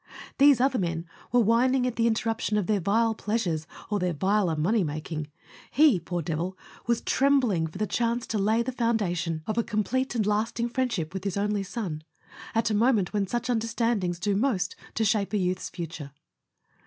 These other men were whining at the interruption of their vile pleasures or their viler money making; he, poor devil, was trembling for the chance to lay the founda A SON AT THE FRONT tion of a complete and lasting friendship with his only son, at the moment when such understandings do most to shape a youth's future.